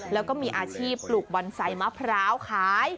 แล้วก็มีอาชีพปลูกบอนไซต์มะพร้าวขาย